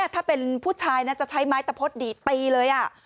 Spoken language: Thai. ถ้าเป็นผู้ชายนะจะใช้ไม้ตะพดดีดตีเลย